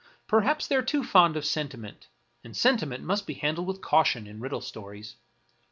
Perhaps they are too fond of sentiment; and sentiment must be handled with caution in riddle stories.